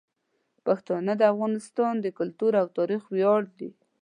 پښتانه د افغانستان د کلتور او تاریخ ویاړ دي.